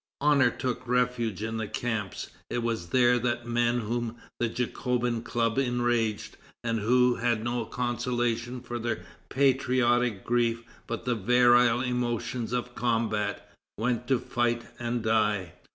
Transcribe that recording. Honor took refuge in the camps. It was there that men whom the Jacobin Club enraged, and who had no consolation for their patriotic grief but the virile emotions of combat, went to fight and die.